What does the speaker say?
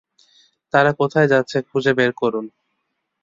তারা কোথায় যাচ্ছে খুঁজে বের করুন।